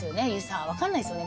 分かんないですよね？